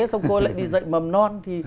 xong rồi cô ấy lại đi dạy mầm non